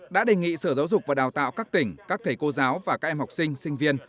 đã đề nghị sở giáo dục và đào tạo các tỉnh các thầy cô giáo và các em học sinh sinh viên